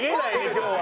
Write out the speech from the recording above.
今日は。